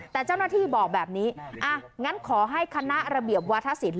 แต่เจ้าหน้าที่บอกแบบนี้อ่ะงั้นขอให้คณะระเบียบวัฒนศิลป